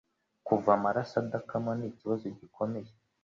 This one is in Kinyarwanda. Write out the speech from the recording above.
Kuva amaraso adakama nikibazo gikomeye